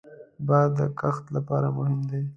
باد د کښت لپاره مهم دی